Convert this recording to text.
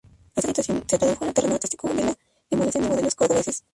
Esta situación se tradujo en el terreno artístico en la emulación de modelos cordobeses.